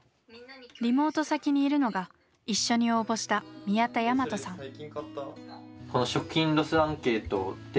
リモート先にいるのが一緒に応募した宮田倭杜さん。